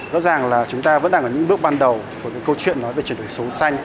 rõ ràng là chúng ta vẫn đang là những bước ban đầu của cái câu chuyện nói về chuyển đổi số xanh